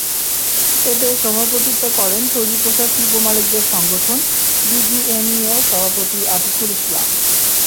এতে সভাপতিত্ব করেন তৈরি পোশাক শিল্পমালিকদের সংগঠন বিজিএমইএর সভাপতি আতিকুল ইসলাম।